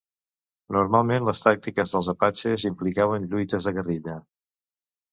Normalment, les tàctiques dels apatxes implicaven lluites de guerrilla.